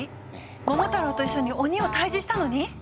桃太郎と一緒に鬼を退治したのに？